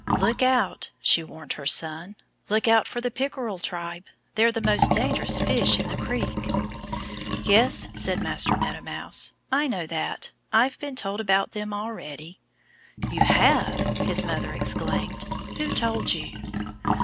"Look out!" she warned her son. "Look out for the Pickerel tribe! They're the most dangerous fish in the creek." "Yes!" said Master Meadow Mouse. "I know that. I've been told about them already." "You have!" his mother exclaimed. "Who told you?"